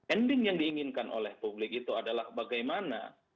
ending yang diinginkan oleh publik itu adalah bagaimana